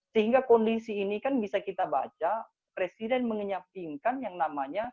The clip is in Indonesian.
sehingga kondisi ini kan bisa kita baca presiden mengenyapinkan yang namanya